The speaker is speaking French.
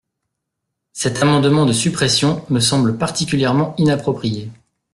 Cet amendement de suppression me semble particulièrement inapproprié.